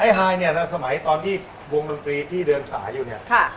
ไอ้ฮายเนี้ยนะสมัยตอนที่วงบรรฟรีพี่เดินสายอยู่เนี้ยค่ะ